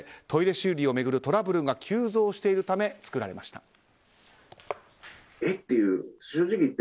トイレ修理を巡るトラブルが急増しているため作られました。